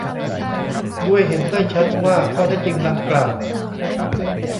ด้วยเห็นได้ชัดว่าข้อเท็จจริงดังกล่าว